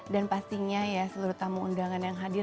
dan pastinya ya seluruh tamu undangan yang hadir